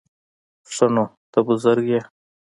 _ښه نو، ته بزرګ يې؟